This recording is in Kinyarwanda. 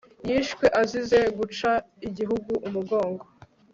yishwe azize guca igihugu umugongo